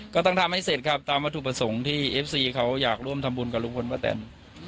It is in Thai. ก็ต้องทำให้เสร็จครับตามวัตถุประสงค์ที่เอฟซีเขาอยากร่วมทำบุญกับลุงพลป้าแตน